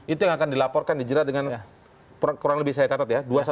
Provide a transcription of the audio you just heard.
itu yang akan dilaporkan dijerat dengan kurang lebih saya catat ya